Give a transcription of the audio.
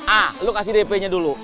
ah lo kasih dp nya dulu